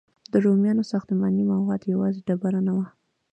د رومیانو ساختماني مواد یوازې ډبره نه وه.